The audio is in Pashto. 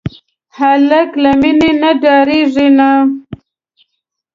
هلک له مینې نه ډاریږي نه.